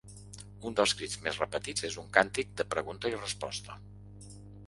Un dels crits més repetits és un càntic de pregunta i resposta.